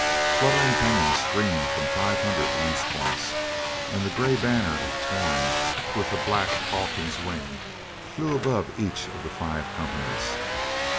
Fluttering pennons streamed from five hundred lance points, and the gray banner of Torn, with the black falcon's wing, flew above each of the five companies.